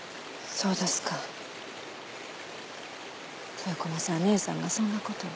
豊駒さん姉さんがそんなことを。